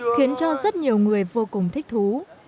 khiến cho rất nhiều người vô cùng thích thú